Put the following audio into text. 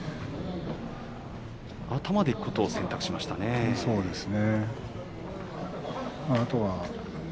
頭でいくことを選択しましたね。